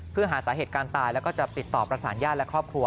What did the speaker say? เพื่อหาสาเหตุการณ์ตายแล้วก็จะติดต่อประสานญาติและครอบครัว